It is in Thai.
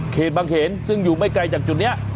บางเขนซึ่งอยู่ไม่ไกลจากจุดนี้